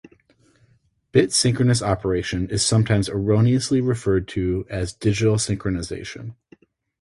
Bit-synchronous operation is sometimes erroneously referred to as digital synchronization.